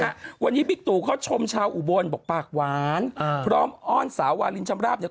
นะฮะวันนี้บิ๊กตูเขาชมชาวอุบลบอกปากหวานอ่าพร้อมอ้อนสาววาลินชำราบเนี่ย